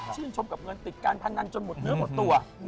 ชมกับเงินติดการพนันจนหมดเนื้อหมดตัว